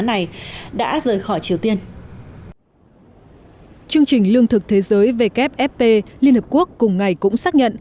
này đã rời khỏi triều tiên chương trình lương thực thế giới liên hợp quốc cùng ngày cũng xác nhận